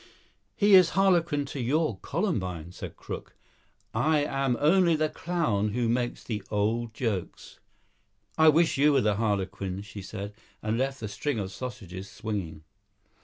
"He is harlequin to your columbine," said Crook. "I am only the clown who makes the old jokes." "I wish you were the harlequin," she said, and left the string of sausages swinging.